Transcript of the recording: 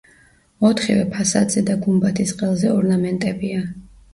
ოთხივე ფასადზე და გუმბათის ყელზე ორნამენტებია.